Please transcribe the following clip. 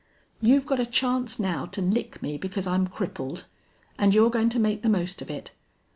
You've got a chance now to lick me because I'm crippled. And you're going to make the most of it.